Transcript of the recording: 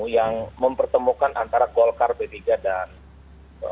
yang mempertemukan antara tiga titik temu yang mempertemukan antara tiga titik temu